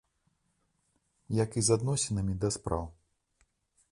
Як і з адносінамі да спраў.